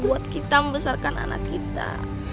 buat kita membesarkan anak kita